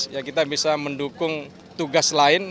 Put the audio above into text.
ya kita bisa mendukung tugas lain